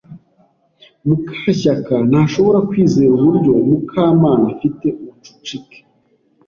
Mukashyaka ntashobora kwizera uburyo Mukamana afite ubucucike.